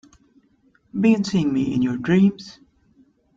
Been seeing me in your dreams?